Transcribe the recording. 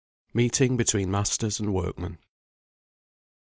MEETING BETWEEN MASTERS AND WORKMEN.